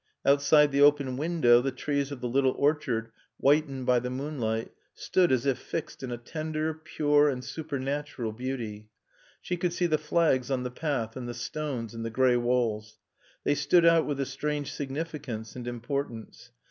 Outside the open window the trees of the little orchard, whitened by the moonlight, stood as if fixed in a tender, pure and supernatural beauty. She could see the flags on the path and the stones in the gray walls. They stood out with a strange significance and importance.